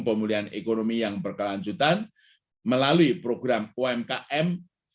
pemulihan ekonomi yang berkelanjutan melalui program umkm